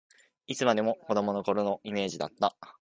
いつまでも子どもの頃のイメージだった